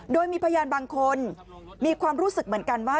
โดยมีพยานบางคนมีความรู้สึกเหมือนกันว่า